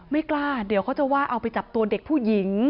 ไม่กล้าเดี๋ยวเขาจะว่าเอาไปจับตัวเด็กผู้หญิง